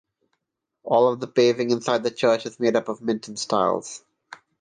All of the paving inside the church is made up of Mintons tiles.